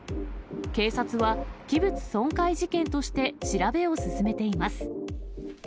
警察は、器物損壊事件として調べを進めています。